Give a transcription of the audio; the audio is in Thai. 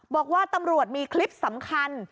บอกว่าตำรวจมีคลิปสำคัญ